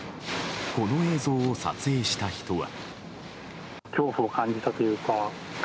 この映像を撮影した人は。